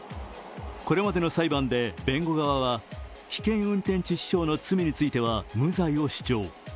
これまでの裁判で弁護側は危険運転致死傷の罪については無罪を主張。